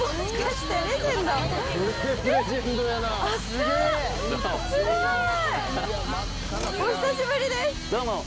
すごい！お久しぶりです。